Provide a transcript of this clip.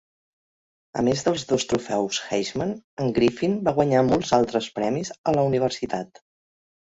A més dels dos trofeus Heisman, en Griffin va guanyar molts altres premis a la universitat.